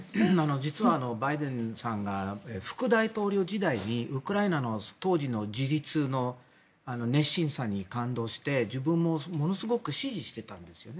実はバイデンさんが副大統領時代にウクライナの当時の自立の熱心さに感動して自分もものすごく支持していたんですよね。